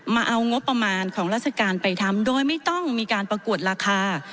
มาเอางบประมาณของราชการไปทำโดยไม่ต้องมีการประกวดราคา